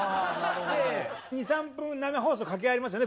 ２３分生放送掛け合いありますよね。